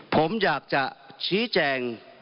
ผมอยากจะชี้แจง